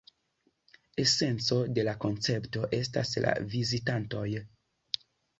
Esenco de la koncepto estas la vizitantoj.